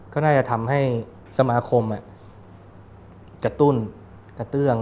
ก็น่าจะทำให้สมาคมกระตุ้นกระเตื้อง